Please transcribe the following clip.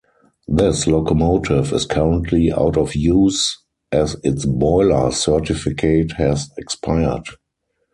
This locomotive is currently out of use as its boiler certificate has expired.